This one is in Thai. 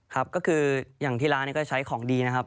ครับก็คืออย่างที่ร้านนี้ก็ใช้ของดีนะครับ